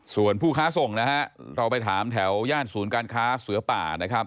ส่วนผู้ค้าส่งนะเราไปถามแถวสูรร้านการค้าจะเสื้อป่า